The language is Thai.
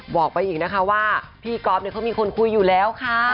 บอกไปอีกนะคะว่าพี่ก๊อฟเขามีคนคุยอยู่แล้วค่ะ